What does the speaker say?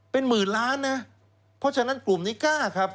เป็นหมื่นล้านนะเพราะฉะนั้นกลุ่มนี้กล้าครับ